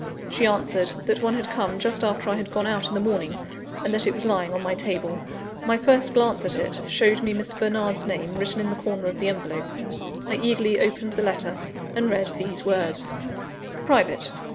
She answered, that one had come just after I had gone out in the morning, and that it was lying on my table. My first glance at it, showed me Mr. Bernard's name written in the corner of the envelope. I eagerly opened the letter, and read these words: "Private.